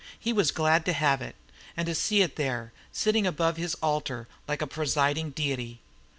He was glad to have it and to see it there, sitting above his altar like a presiding deity.